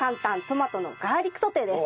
トマトのガーリックソテーです。